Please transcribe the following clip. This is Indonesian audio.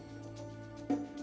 aduh ini udah gila